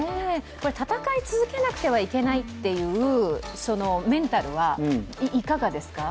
戦い続けなくてはいけないっていうメンタルはいかがですか。